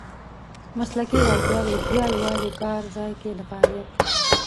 مسلکي وړتیاوې بیا یوازې کارځای کې د فعالیت .